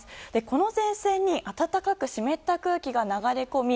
この前線に湿った空気が流れ込み